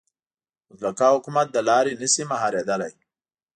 مطلقه حکومت له لارې نه شي مهارېدلی.